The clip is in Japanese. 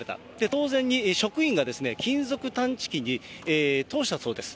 当然に、職員が金属探知機に通したそうです。